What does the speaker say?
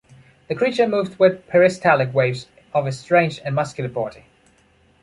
The creature moved with peristaltic waves of it’s strange and muscular body.